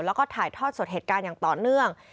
แล้วก็ถ่ายทอดสดเหตุการณ์อย่างต่อเนื่อง